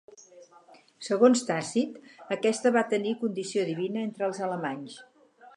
Segons Tàcit, aquesta va tenir condició divina entre els alemanys.